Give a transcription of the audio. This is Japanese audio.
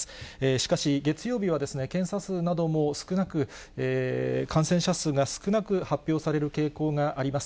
しかし、月曜日は検査数なども少なく、感染者数が少なく発表される傾向があります。